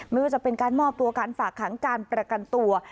ไม่ว่าจะเป็นการมอบตัวการฝากขังการประกันตัว